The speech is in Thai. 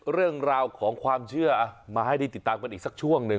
เรื่องราวของความเชื่อมาให้ได้ติดตามกันอีกสักช่วงหนึ่ง